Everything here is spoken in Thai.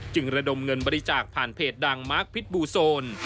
ระดมเงินบริจาคผ่านเพจดังมาร์คพิษบูโซน